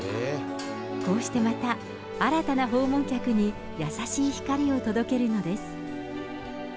こうして、また新たな訪問客に優しい光を届けるのです。